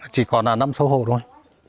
chỉ còn là năm sáu hộ thôi